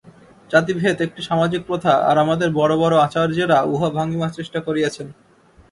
জাতিভেদ একটি সামাজিক প্রথা, আর আমাদের বড় বড় আচার্যেরা উহা ভাঙিবার চেষ্টা করিয়াছেন।